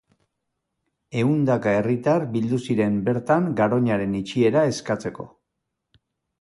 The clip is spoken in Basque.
Ehundaka herritar bildu ziren bertan garoñaren itxiera eskatzeko.